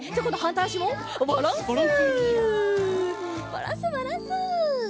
バランスバランス！